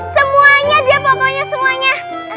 semuanya deh pokoknya semuanya